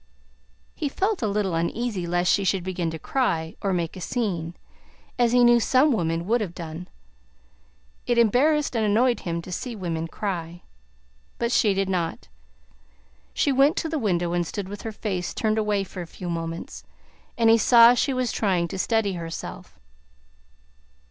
He felt a little uneasy lest she should begin to cry or make a scene, as he knew some women would have done. It embarrassed and annoyed him to see women cry. But she did not. She went to the window and stood with her face turned away for a few moments, and he saw she was trying to steady herself.